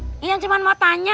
ini yang cuma mau tanya